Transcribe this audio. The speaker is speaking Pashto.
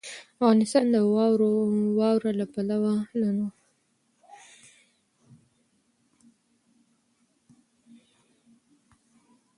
افغانستان د واوره له پلوه له نورو هېوادونو سره اړیکې لري.